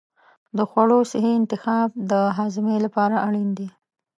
د خوړو صحي انتخاب د هاضمې لپاره اړین دی.